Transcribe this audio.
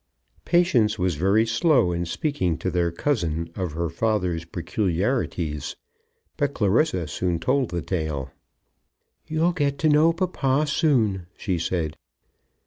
Patience was very slow in speaking to their cousin of her father's peculiarities; but Clarissa soon told the tale. "You'll get to know papa soon," she said.